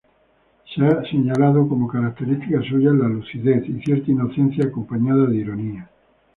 Se han señalado como características suyas la lucidez, y cierta inocencia acompañada de ironía.